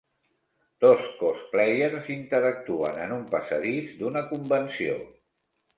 Dos cosplayers interactuen en un passadís d'una convenció.